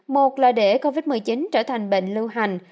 một là để covid một mươi chín trở thành bệnh lưu hành